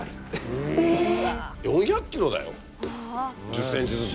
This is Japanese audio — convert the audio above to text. １０ｃｍずつ。